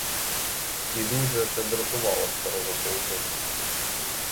І дуже це дратувало старого полковника.